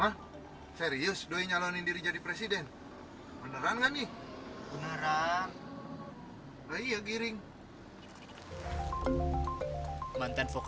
hah serius doi nyalonin diri jadi presiden